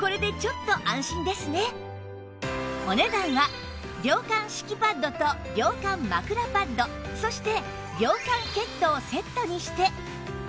お値段は涼感敷きパッドと涼感枕パッドそして涼感ケットをセットにして